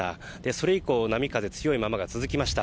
それ以降波風が強い状態が続きました。